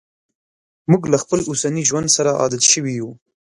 موږ له خپل اوسني ژوند سره عادت شوي یو.